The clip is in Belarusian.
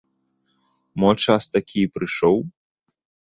Мо час такі прыйшоў?